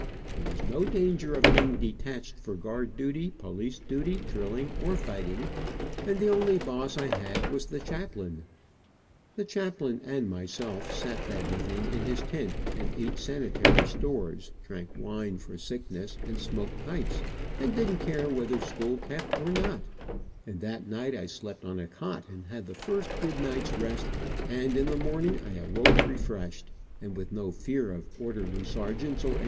There was no danger of being detached for guard duty, police duty, drilling, or fighting, and the only boss I had was the chaplain. The chaplain and myself sat that evening in his tent, and ate sanitary stores, drank wine for sickess, and smoked pipes, and didn't care whether school kept or not, and that night I slept on a cot, and had the first good night's rest, and in the morning I awoke refreshed, and with no fear of orderly sergeants, or anybody.